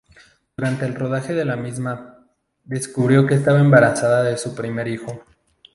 Durante el rodaje de la misma, descubrió que estaba embarazada de su primer hijo.